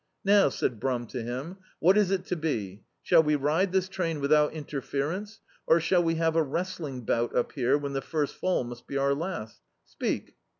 "Now," said Brum to him, "what is it to be^ ^lall we ride this train without interference, or shall we have a wrestling bout up here, when the first fall must be our last? Speak?"